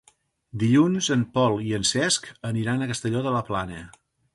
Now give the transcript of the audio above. Dilluns en Pol i en Cesc aniran a Castelló de la Plana.